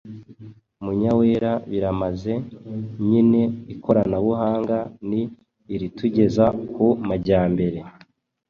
Munyawera:Biramaze. Nyine ikoranabuhanga ni iritugeza ku majyambere.